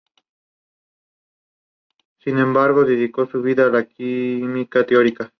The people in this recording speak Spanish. Sin embargo, dedicó su vida a la química teórica.